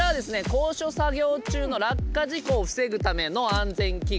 高所作業中の落下事故を防ぐための安全器具。